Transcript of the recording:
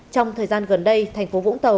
trong thời gian gần đây thành phố vũng tàu